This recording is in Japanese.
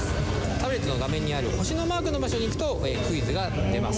タブレットの画面にある星のマークの場所に行くと、クイズが出ます。